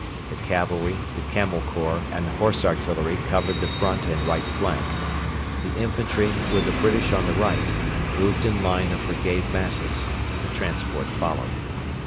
The cavalry, the Camel Corps, and the Horse Artillery covered the front and right flank; the infantry, with the British on the right, moved in line of brigade masses; the transport followed.